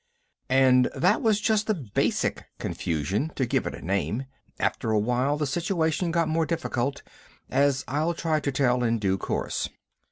And that was just the basic confusion, to give it a name. After a while the situation got more difficult, as I'll try to tell in due course.